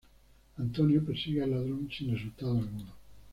Antonio persigue al ladrón sin resultado alguno.